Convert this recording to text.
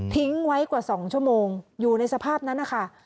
ทิ้งไว้กว่า๒ชั่วโมงอยู่ในสภาพนั้นนะคะ